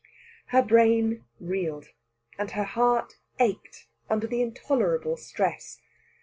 Her brain reeled and her heart ached under the intolerable stress.